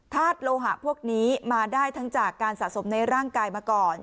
โลหะพวกนี้มาได้ทั้งจากการสะสมในร่างกายมาก่อน